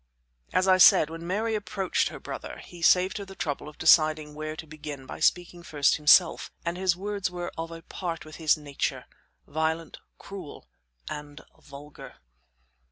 As I said, when Mary approached her brother, he saved her the trouble of deciding where to begin by speaking first himself, and his words were of a part with his nature violent, cruel and vulgar.